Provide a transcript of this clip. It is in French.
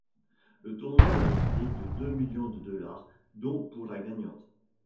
Le tournoi est doté de deux millions de dollars, dont pour la gagnante.